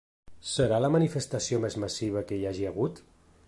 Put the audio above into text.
Serà la manifestació més massiva que hi hagi hagut?